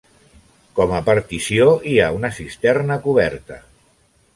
Com a partició hi ha una cisterna coberta.